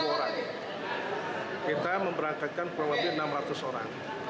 kita memberangkatkan perwakilan enam ratus orang